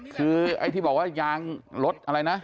คือไอ้ที่บอกว่ายางรถอะไรนะ